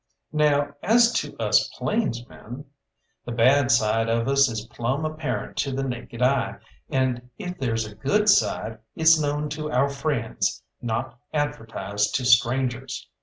Now as to us plainsmen. The bad side of us is plumb apparent to the naked eye, and if there's a good side it's known to our friends, not advertised to strangers.